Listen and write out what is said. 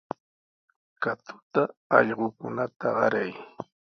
Katuta allqukunata qaray.